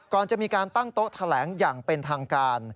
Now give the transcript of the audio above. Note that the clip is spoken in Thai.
ก่อนจะมีการตั้งโต๊ะแถลงอย่างเป็นทางการ